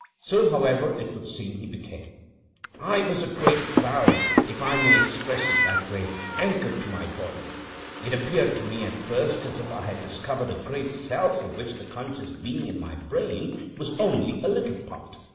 So, however, it would seem he became. "I was a great cloud—if I may express it that way—anchored to my body. It appeared to me, at first, as if I had discovered a greater self of which the conscious being in my brain was only a little part.